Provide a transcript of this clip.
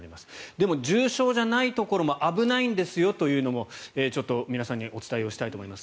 でも重症じゃないところも危ないんですよというのもちょっと皆さんにお伝えをしたいと思います。